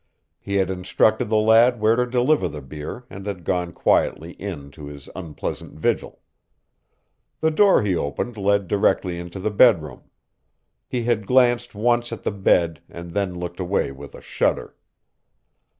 He had instructed the lad where to deliver the beer and had gone quietly in to his unpleasant vigil. The door he opened led directly into the bedroom. He had glanced once at the bed and then looked away with a shudder.